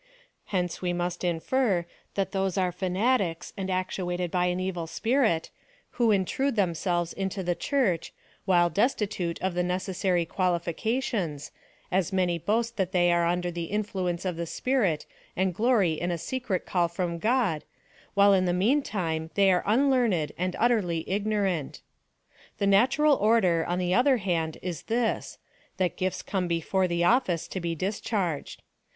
Hence we must infer, that those are fanatics, and actuated by an evil spirit, wlio intrude themselves into the Church, while destitute of the necessary qualifications, as many boast that they are under the influence of the Sjjirit, and glory in a secret call from God, while in the meantime they are un learned and utterly ignorant. The natural order, on the other hand, is this — that gifts come before the office to be discharged.